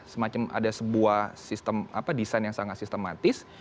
semacam ada sebuah sistem desain yang sangat sistematis